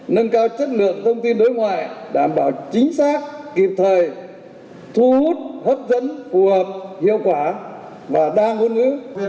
nâng cao chất lượng thông tin đối ngoại đảm bảo chính xác kịp thời thu hút hấp dẫn phù hợp hiệu quả và đa ngôn ngữ